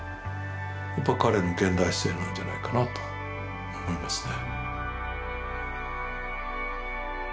やっぱ彼の現代性なんじゃないかなと思いますね。